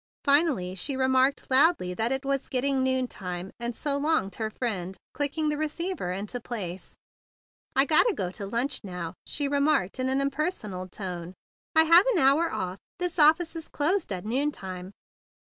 Fi¬ nally she remarked loudly that it was getting noontime, and "so longed" her friend, clicking the receiver into place. "I gotta go to lunch now," she re¬ marked in an impersonal tone. "I have a nour off. This office is closed all noontime."